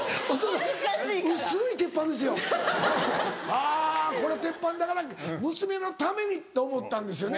あぁこれはテッパンだから娘のためにと思ったんですよね。